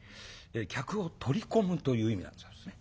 客を取り込むという意味なんだそうですね